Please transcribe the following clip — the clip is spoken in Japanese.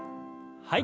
はい。